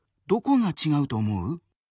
どこがちがうと思う？